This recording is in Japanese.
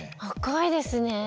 赤いですね。